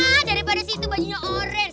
nah daripada situ bajunya orange